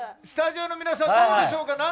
スタジオの皆さんどうでしょうか。